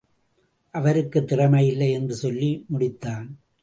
அவருக்குத் திறமை இல்லை —என்று சொல்லி முடித்தான்.